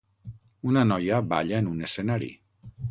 Una noia balla en un escenari.